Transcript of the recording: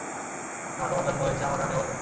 না, তোমার জন্ম হয়েছে আমার রানী হবার জন্য।